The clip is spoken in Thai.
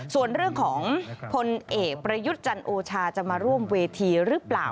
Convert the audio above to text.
ส่วนเรื่องของพลเอกประยุทธ์จันโอชาจะมาร่วมเวทีหรือเปล่า